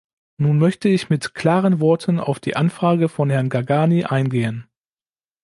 Nun möchte ich mit klaren Worten auf die Anfrage von Herrn Gargani eingehen.